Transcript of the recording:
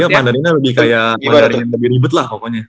mandarinnya lebih ribet lah pokoknya